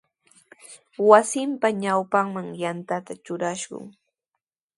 Wasinpa ñawpanman yanta trurashun.